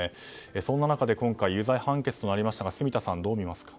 そんな中で今回有罪判決となりましたが住田さん、どう見ますか。